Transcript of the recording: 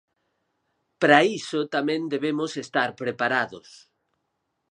Para iso tamén debemos estar preparados.